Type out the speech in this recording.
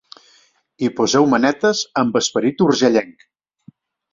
Hi poseu manetes amb esperit urgellenc.